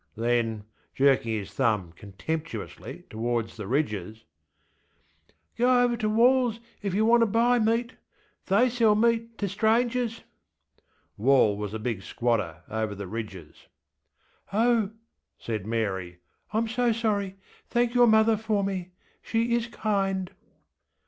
ŌĆÖ Then, jerking his thumb contemptuously towards the ridges, ŌĆśGo over ter WallŌĆÖs if yer wanter buy meat; they sell meat ter strangers. ŌĆÖ (Wall was the big squatter over the ridges.) ŌĆśOh! ŌĆÖ said Mary, ŌĆśIŌĆÖm so sorry. Thank your mother for me. She is kind.